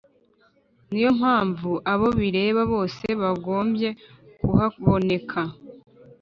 Niyo mpamvu abo bireba bose bagombye kuhaboneka